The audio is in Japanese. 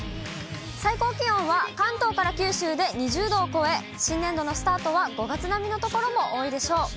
最高気温は、関東から九州で２０度を超え、新年度のスタートは５月並みの所も多いでしょう。